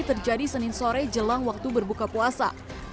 terjadi senin sore jelang waktu berbuka puasa